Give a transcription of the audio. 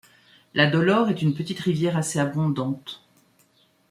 La Dolore est une petite rivière assez abondante.